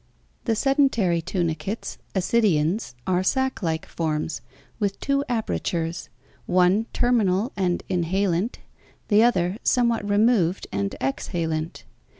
The sedentary tunicates (ascidians) are sac like forms with two aper tures, one terminal and inhalent, the other somewhat removed and ex halent.